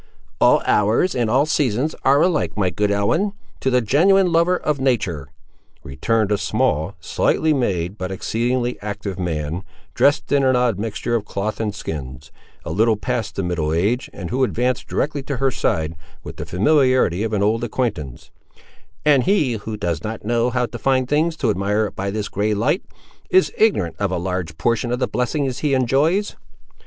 "All hours and all seasons are alike, my good Ellen, to the genuine lover of nature,"—returned a small, slightly made, but exceedingly active man, dressed in an odd mixture of cloth and skins, a little past the middle age, and who advanced directly to her side, with the familiarity of an old acquaintance; "and he who does not know how to find things to admire by this grey light, is ignorant of a large portion of the blessings he enjoys."